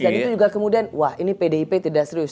dan itu juga kemudian wah ini pdip tidak serius